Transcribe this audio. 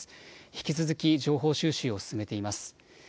引き続き情報収集を進めています。